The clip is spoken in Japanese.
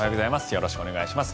よろしくお願いします。